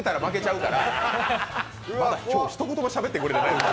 あなた、まだ今日、ひと言もしゃべってくれない。